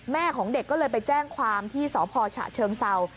ของเด็กก็เลยไปแจ้งความที่สพฉเชิงเศร้า